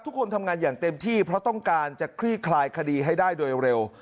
ทุกคนทำงานอย่างเต็มที่เพราะต้องการจะคลี่คลายคดีให้ได้โดยเร็ว